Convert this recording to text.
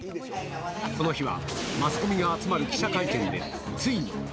この日はマスコミが集まる記者会見で、ついに。